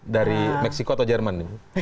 dari meksiko atau jerman